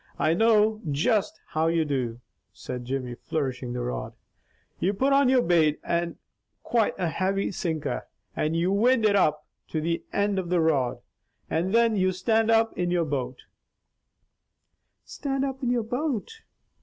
I know just how you do," said Jimmy flourishing the rod. "You put on your bait and quite a heavy sinker, and you wind it up to the ind of your rod, and thin you stand up in your boat " "Stand up in your boat!"